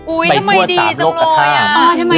อุ๊ยทำไมดีจังเลย